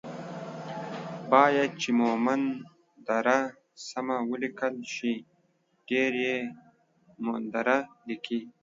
بايد چې مومند دره سمه وليکل شي ،ډير يي مومندره ليکي